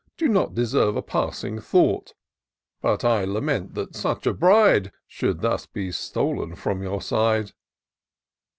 Do not deserve a passing thought ; But I lament that such a bride Should thus be stolen from your side."